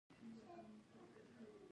د افغانستان طبیعت له خاوره څخه جوړ شوی دی.